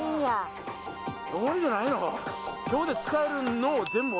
終わりじゃないの？